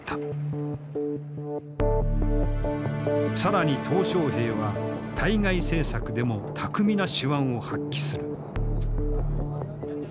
更に小平は対外政策でも巧みな手腕を発揮する。